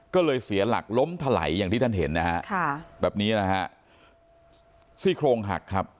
ก็เลยเสียหลักล้มถลายอย่างที่ท่านเห็นนะฮะค่ะแบบนี้นะฮะซี่โครงหักครับ